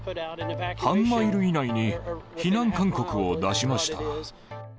半マイル以内に避難勧告を出しました。